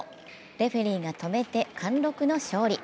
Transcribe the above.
レフェリーが止めて貫禄の勝利。